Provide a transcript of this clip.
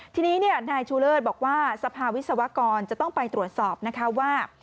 ทีนี้นายชูเลิศบอกว่าสภาวิศวกรจะต้องไปตรวจสอบนะคะว่า